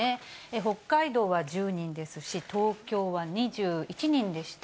北海道は１０人ですし、東京は２１人でした。